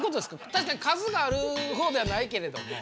確かに数がある方ではないけれども。